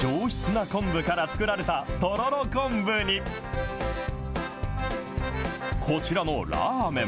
上質な昆布から作られたとろろ昆布に、こちらのラーメン。